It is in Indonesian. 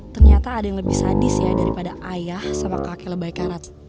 ternyata ada yang lebih sadis ya daripada ayah sama kakek lebih karat